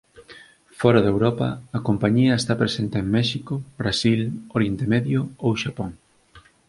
Fóra de Europa, a compañía está presente en México, Brasil, Oriente Medio ou Xapón.